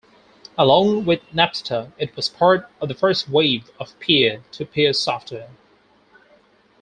Along with Napster, it was part of the first wave of peer-to-peer software.